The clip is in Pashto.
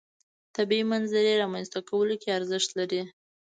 طبیعي منظرې رامنځته کولو کې ارزښت لري.